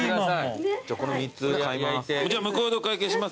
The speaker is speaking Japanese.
じゃあこの３つ買います